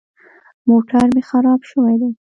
موټر مې خراب شوی دی.